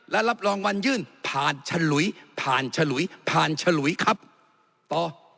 และรับรองวัณญื่นผ่านชลุยพพังชลุยต่อ